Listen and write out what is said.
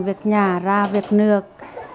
việc nhà ra việc nước